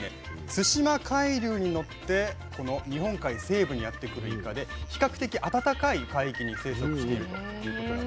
対馬海流に乗ってこの日本海西部にやってくるイカで比較的暖かい海域に生息しているということなんですね。